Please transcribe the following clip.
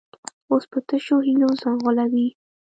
اوس په تشو هیلو ځان غولوي.